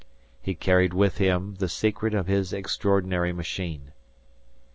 He carried with him the secret of his extraordinary machine.